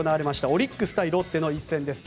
オリックス対ロッテの一戦です。